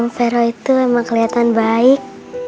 om vero itu emang kelihatan baik